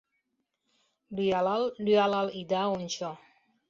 Лӱялал-лӱялал ида ончо.